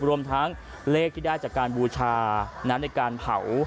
รวมทั้งเลขที่ได้จากการบูชาในการเผา